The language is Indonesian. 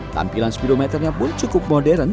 tampilan speedometernya pun cukup modern